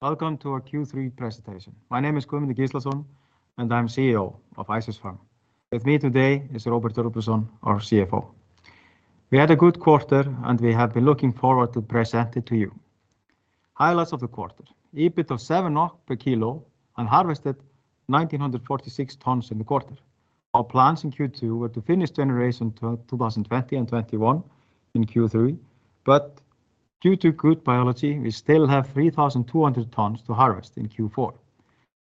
Welcome to our Q3 presentation. My name is Guðmundur Gíslason, and I'm CEO of Ice Fish Farm. With me today is Róbert Róbertsson, our CFO. We had a good quarter, and we have been looking forward to present it to you. Highlights of the quarter. EBIT of 7 per kilo and harvested 1,946 tons in the quarter. Our plans in Q2 were to finish generation 2020 and 2021 in Q3, but due to good biology, we still have 3,200 tons to harvest in Q4.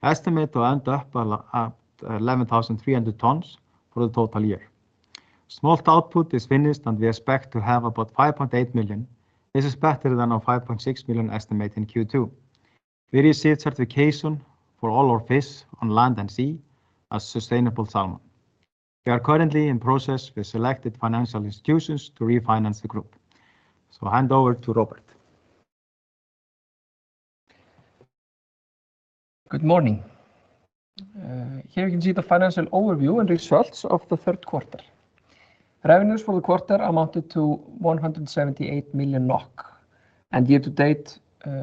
Estimate to end up at 11,300 tons for the total year. Smolt output is finished, and we expect to have about 5.8 million. This is better than our 5.6 million estimate in Q2. We received certification for all our fish on land and sea as sustainable salmon. We are currently in process with selected financial institutions to refinance the group. I hand over to Róbert. Good morning. Here you can see the financial overview and results of the Q3. Revenues for the quarter amounted to 178 million NOK, and year to date,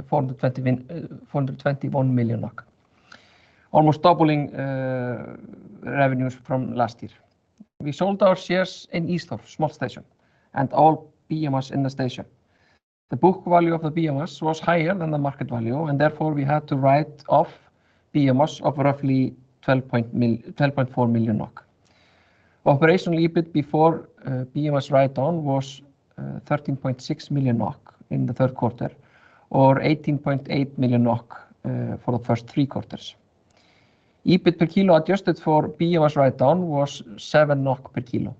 421 million NOK, almost doubling revenues from last year. We sold our shares in Ísfjord Smolt Station and all biomass in the station. The book value of the biomass was higher than the market value, and therefore we had to write off biomass of roughly 12.4 million NOK. Operational EBIT before biomass write-down was 13.6 million NOK in the Q3 or 18.8 million NOK for the first three quarters. EBIT per kilo adjusted for biomass write-down was 7 NOK per kilo.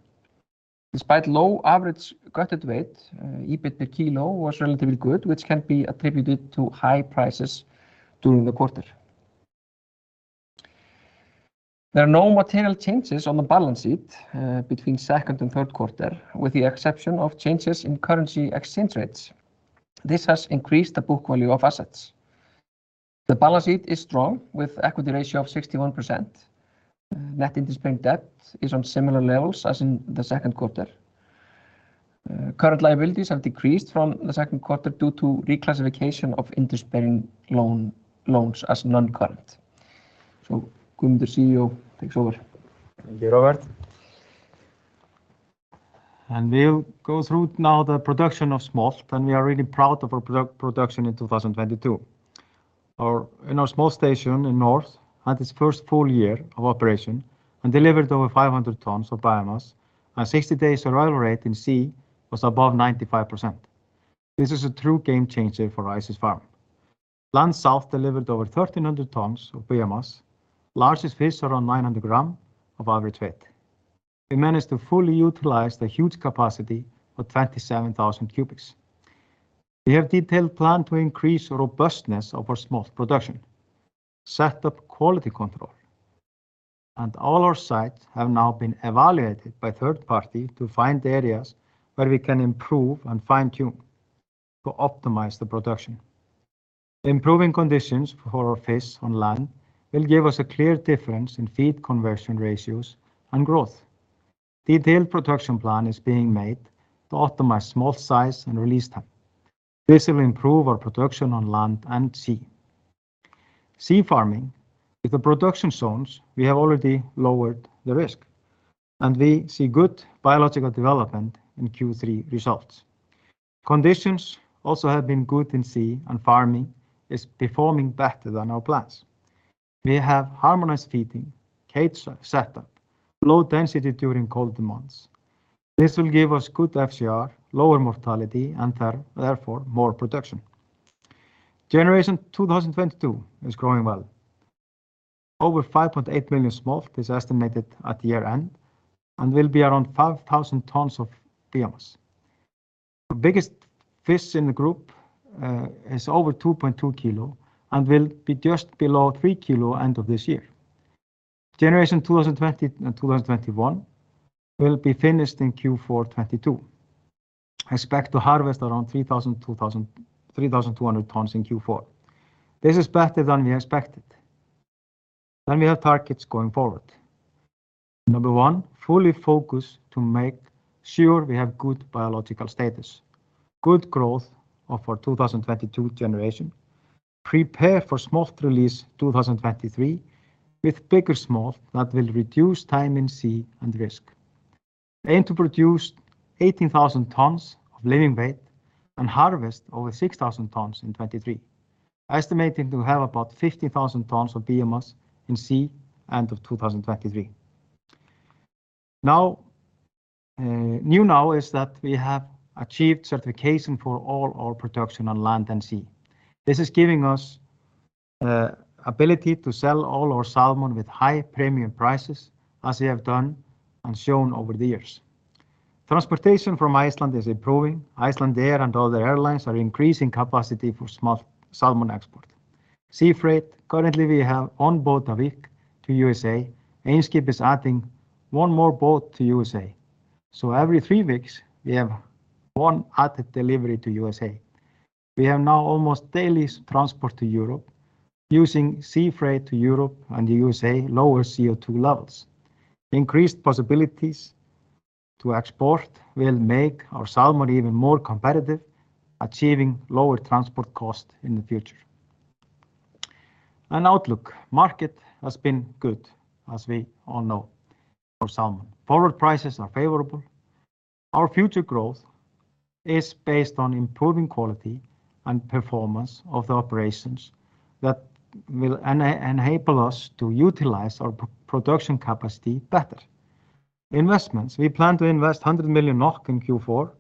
Despite low average gutted weight, EBIT per kilo was relatively good, which can be attributed to high prices during the quarter. There are no material changes on the balance sheet between second and Q3, with the exception of changes in currency exchange rates. This has increased the book value of assets. The balance sheet is strong with equity ratio of 61%. Net interest-bearing debt is on similar levels as in the Q2. Current liabilities have decreased from the Q2 due to reclassification of interest-bearing loans as non-current. Guðmundur Gíslason, CEO, takes over. Thank you, Róbert. We'll go through now the production of smolt, and we are really proud of our production in 2022. In our smolt station in Land North had its first full year of operation and delivered over 500 tons of biomass, and 60-day survival rate in sea was above 95%. This is a true game changer for Ice Fish Farm. Land South delivered over 1,300 tons of biomass, largest fish around 900-gram average weight. We managed to fully utilize the huge capacity of 27,000 cubic meters. We have detailed plan to increase robustness of our smolt production, set up quality control, and all our sites have now been evaluated by third-party to find the areas where we can improve and fine-tune to optimize the production. Improving conditions for our fish on land will give us a clear difference in feed conversion ratios and growth. Detailed production plan is being made to optimize smolt size and release time. This will improve our production on land and sea. Sea farming. With the production zones, we have already lowered the risk, and we see good biological development in Q3 results. Conditions also have been good in sea, and farming is performing better than our plans. We have harmonized feeding, cage setup, low density during cold months. This will give us good FCR, lower mortality, and therefore more production. Generation 2022 is growing well. Over 5.8 million smolt is estimated at year-end and will be around 5,000 tons of biomass. The biggest fish in the group is over 2.2 kilo and will be just below three kilo end of this year. Generation 2020 and 2021 will be finished in Q4 2022. Expect to harvest around 3,200 tons in Q4. This is better than we expected. We have targets going forward. Number one, fully focus to make sure we have good biological status, good growth of our 2022 generation, prepare for smolt release 2023 with bigger smolt that will reduce time in sea and risk. Aim to produce 18,000 tons of living weight and harvest over 6,000 tons in 2023. Estimating to have about 50,000 tons of biomass in sea end of 2023. Now, one new thing is that we have achieved certification for all our production on land and sea. This is giving us the ability to sell all our salmon with high premium prices as we have done and shown over the years. Transportation from Iceland is improving. Icelandair and other airlines are increasing capacity for smolt salmon export. Sea freight. Currently we have one boat a week to USA. Eimskip is adding one more boat to USA. Every three weeks we have one added delivery to USA. We have now almost daily transport to Europe. Using sea freight to Europe and the USA lowers CO2 levels. Increased possibilities to export will make our salmon even more competitive, achieving lower transport costs in the future. Outlook. Market has been good, as we all know, for salmon. Forward prices are favorable. Our future growth is based on improving quality and performance of the operations that will enable us to utilize our production capacity better. Investments. We plan to invest 100 million NOK in Q4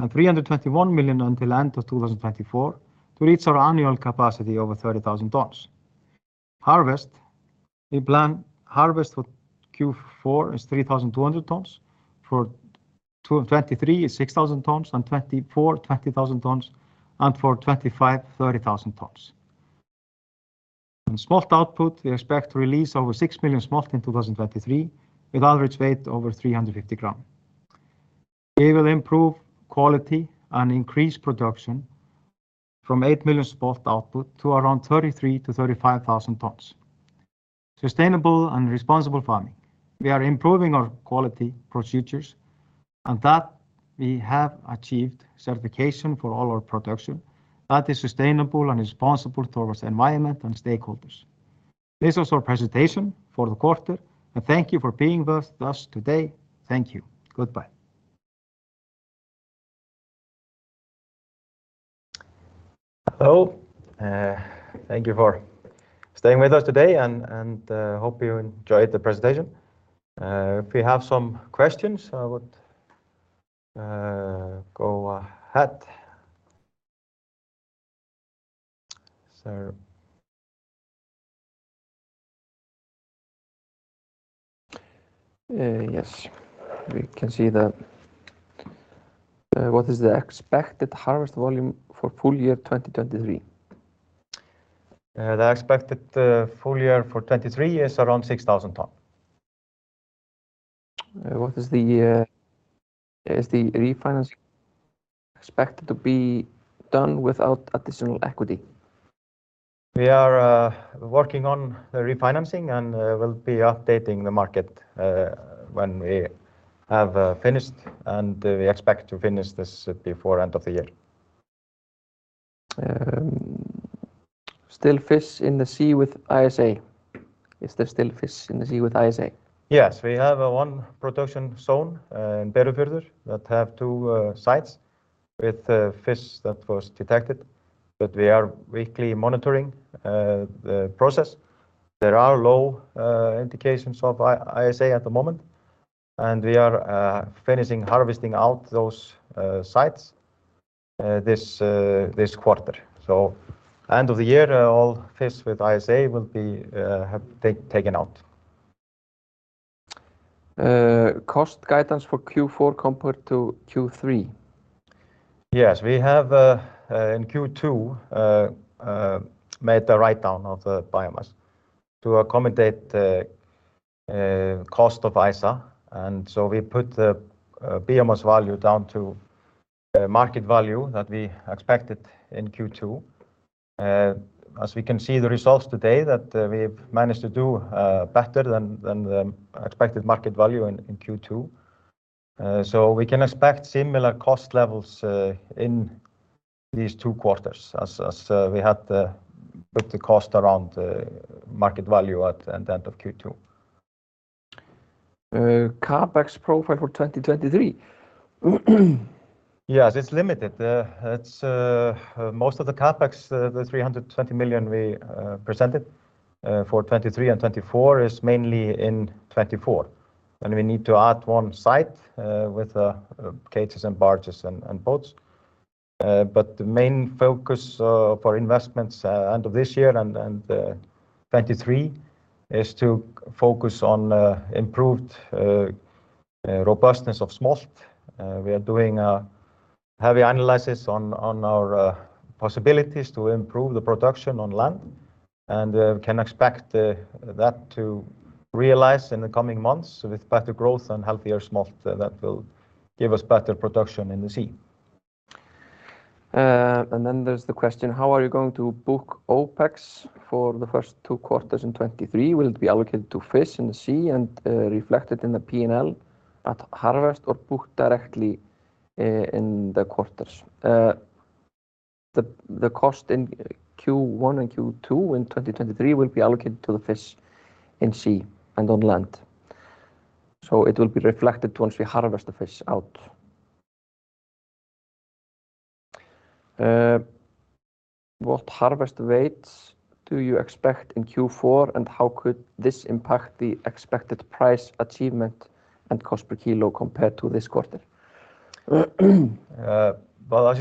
and 321 million until end of 2024 to reach our annual capacity over 30,000 tons. Harvest. We plan harvest for Q4 is 3,200 tons, for 2023 is 6,000 tons, and 2024, 20,000 tons, and for 2025, 30,000 tons. Smolt output, we expect to release over six million smolt in 2023 with average weight over 350 grams. We will improve quality and increase production from eight million smolt output to around 33,000-35,000 tons. Sustainable and responsible farming. We are improving our quality procedures and that we have achieved certification for all our production that is sustainable and responsible towards environment and stakeholders. This was our presentation for the quarter, and thank you for being with us today. Thank you. Goodbye. Hello. Thank you for staying with us today and hope you enjoyed the presentation. If we have some questions, I would go ahead. Yes. We can see that, what is the expected harvest volume for full year 2023? The expected full year for 2023 is around 6,000 tons. What is the refinance expected to be done without additional equity? We are working on the refinancing and will be updating the market when we have finished, and we expect to finish this before end of the year. Is there still fish in the sea with ISA? Yes. We have one production zone in Berufjörður that have two sites with the fish that was detected, but we are weekly monitoring the process. There are low indications of ISA at the moment, and we are finishing harvesting out those sites this quarter. End of the year, all fish with ISA will be taken out. Cost guidance for Q4 compared to Q3. Yes. We have in Q2 made a write-down of the biomass to accommodate the cost of ISA, and so we put the biomass value down to the market value that we expected in Q2. As we can see the results today that we've managed to do better than the expected market value in Q2. We can expect similar cost levels in these two quarters as we had put the cost around the market value at the end of Q2. CapEx profile for 2023. Yes. It's limited. It's most of the CapEx, the 320 million we presented for 2023 and 2024 is mainly in 2024, and we need to add one site with cages and barges and boats. The main focus for investments end of this year and 2023 is to focus on improved robustness of smolt. We are doing a heavy analysis on our possibilities to improve the production on land and can expect that to realize in the coming months with better growth and healthier smolt that will give us better production in the sea. There's the question, how are you going to book OpEx for the first two quarters in 2023? Will it be allocated to fish in the sea and reflected in the P&L at harvest or booked directly in the quarters? The cost in Q1 and Q2 in 2023 will be allocated to the fish in sea and on land. It will be reflected once we harvest the fish out. What harvest weights do you expect in Q4, and how could this impact the expected price achievement and cost per kilo compared to this quarter? As you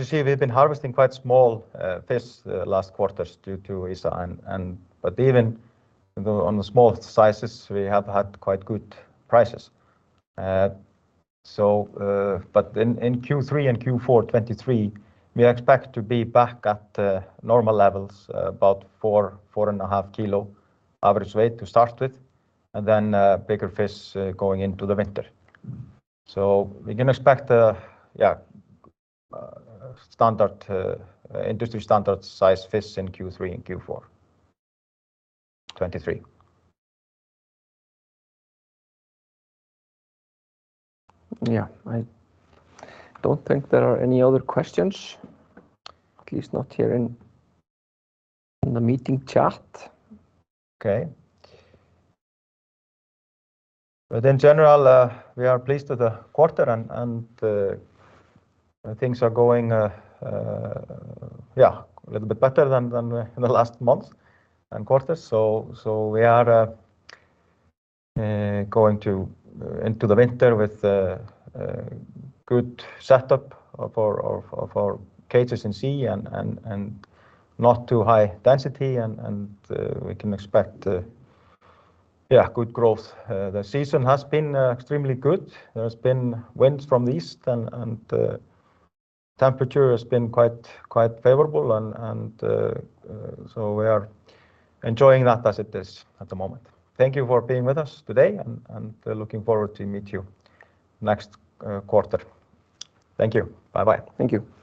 see, we've been harvesting quite small fish the last quarters due to ISA. Even though on the small sizes we have had quite good prices. In Q3 and Q4 2023, we expect to be back at normal levels, about four-4.5 kilo average weight to start with and then bigger fish going into the winter. We can expect standard industry standard size fish in Q3 and Q4 2023. Yeah. I don't think there are any other questions, at least not here in the meeting chat. Okay. In general, we are pleased with the quarter and things are going yeah, a little bit better than the last month and quarter. We are going into the winter with good setup of our cages in sea and not too high density and we can expect yeah, good growth. The season has been extremely good. There's been winds from the east and the temperature has been quite favorable and so we are enjoying that as it is at the moment. Thank you for being with us today, and I'm looking forward to meet you next quarter. Thank you. Bye-bye. Thank you.